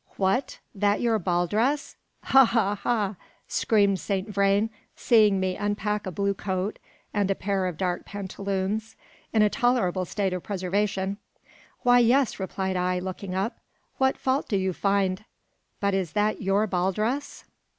What! that your ball dress? Ha! ha! ha!" screamed Saint Vrain, seeing me unpack a blue coat and a pair of dark pantaloons, in a tolerable state of preservation. "Why, yes," replied I, looking up; "what fault do you find? But is that your ball dress?"